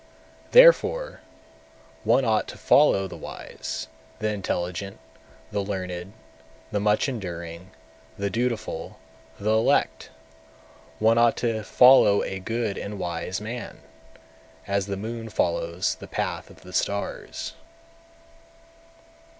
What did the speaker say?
208. Therefore, one ought to follow the wise, the intelligent, the learned, the much enduring, the dutiful, the elect; one ought to follow a good and wise man, as the moon follows the path of the stars.